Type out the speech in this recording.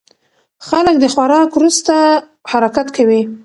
خلک د خوراک وروسته حرکت کوي.